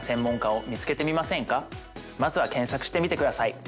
まずは検索してみてください。